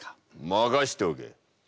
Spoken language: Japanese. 任しておけ。